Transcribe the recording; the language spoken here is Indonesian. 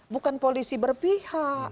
bukan polisi berpihak